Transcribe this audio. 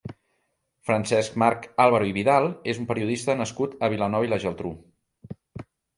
Francesc-Marc Álvaro i Vidal és un periodista nascut a Vilanova i la Geltrú.